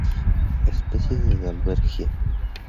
Especies de Dalbergia